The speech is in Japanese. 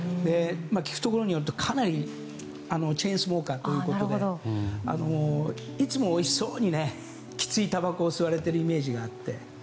聞くところによるとかなりチェーンスモーカーということでいつもおいしそうにきついたばこを吸われているイメージがあって。